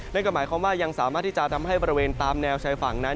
นั่นก็หมายความว่ายังสามารถที่จะทำให้บริเวณตามแนวชายฝั่งนั้น